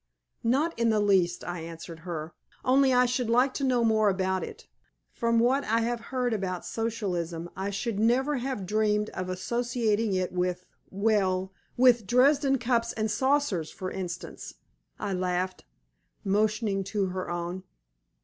"Not in the least," I answered her; "only I should like to know more about it. From what I have heard about Socialism I should never have dreamed of associating it with well, with Dresden cups and saucers, for instance," I laughed, motioning to her own.